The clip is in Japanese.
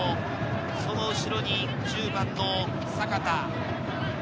その後ろに１０番の阪田。